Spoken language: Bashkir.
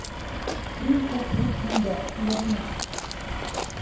Иң күп һөт һиндә, Мәҙинә!